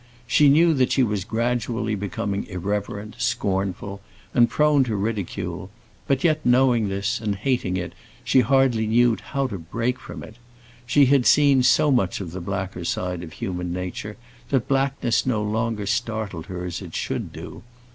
She knew that she was gradually becoming irreverent, scornful, and prone to ridicule; but yet, knowing this and hating it, she hardly knew how to break from it. She had seen so much of the blacker side of human nature that blackness no longer startled her as it should do.